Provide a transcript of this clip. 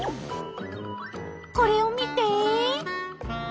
これを見て！